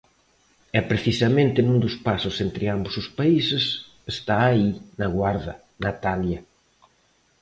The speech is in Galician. E precisamente nun dos pasos entre ambos os países está aí na Guarda, Natalia.